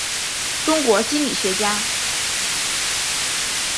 中国心理学家。